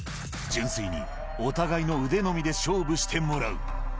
純粋にお互いの腕のみで勝負してもらう。